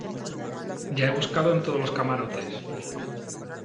ya he buscado en todos los camarotes .